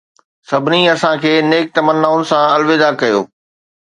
سڀني اسان کي نيڪ تمنائن سان الوداع ڪيو